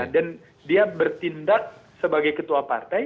dan dia bertindak sebagai ketua partai